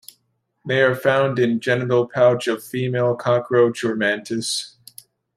They are found in genital pouch of female cockroach or mantis.